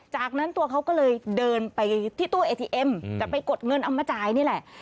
จากนั้นตัวเขาก็เลยเดินไปที่ตู้เอทีเอ็มจะไปกดเงินเอามาจ่ายนี่แหละ